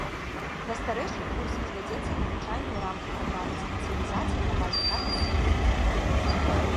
На старэйшых курсах вядзецца навучанне ў рамках абраных спецыялізацый на базе кафедр факультэта.